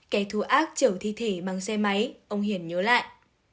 kẻ thù ác trở thi thể bằng xe máy ông hiển nhớ lại